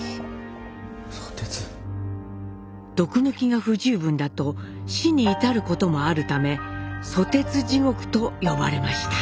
毒抜きが不十分だと死に至ることもあるため「ソテツ地獄」と呼ばれました。